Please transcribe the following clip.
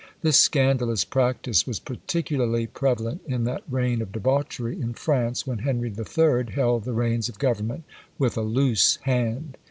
This scandalous practice was particularly prevalent in that reign of debauchery in France, when Henry III. held the reins of government with a loose hand.